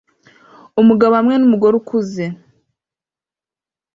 Umugabo hamwe numugore ukuze